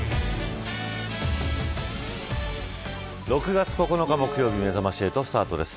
６月９日木曜日めざまし８スタートです。